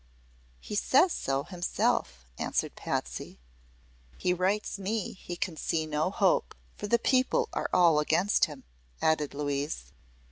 "He says so himself," answered Patsy. "He writes me he can see no hope, for the people are all against him," added Louise.